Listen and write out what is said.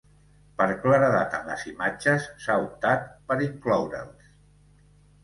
Per claredat en les imatges s'ha optat per incloure'ls.